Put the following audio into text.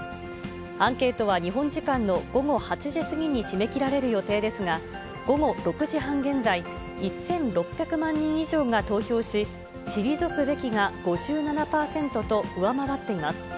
アンケートは日本時間の午後８時過ぎに締め切られる予定ですが、午後６時半現在、１６００万人以上が投票し、退くべきが５７％と上回っています。